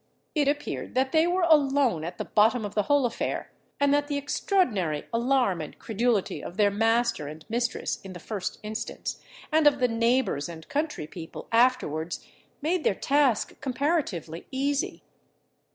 It appeared that they were alone at the bottom of the whole affair, and that the extraordinary alarm and credulity of their master and mistress, in the first instance, and of the neighbours and country people afterwards, made their task comparatively easy.